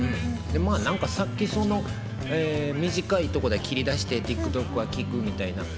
さっき、短いところで切り出してＴｉｋＴｏｋは聴くみたいな。